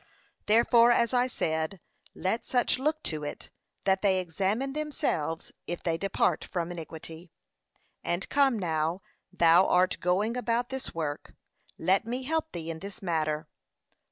Therefore, as I said, let such look to it, that they examine themselves if they depart from iniquity. And come, now thou art going about this work, let me help thee in this matter.